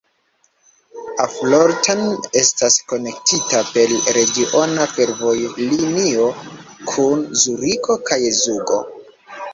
Affoltern estas konektita per regiona fervojlinio kun Zuriko kaj Zugo.